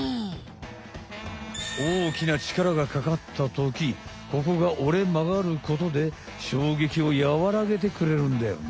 おおきな力がかかったときここが折れまがることでしょうげきをやわらげてくれるんだよね。